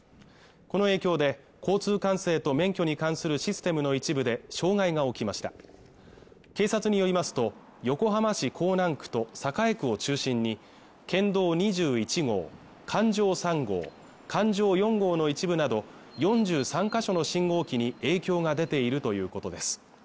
この影響で交通管制と免許に関するシステムの一部で障害が起きました警察によりますと横浜市港南区と栄区を中心に県道２１号環状３号、環状４号の一部など４３か所の信号機に影響が出ているということです